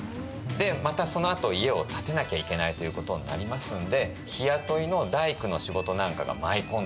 またそのあと家を建てなきゃいけないということになりますんで日雇いの大工の仕事なんかが舞い込んでくる。